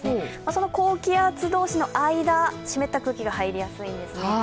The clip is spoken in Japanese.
その高気圧同士の間湿った空気が入りやすいんですね。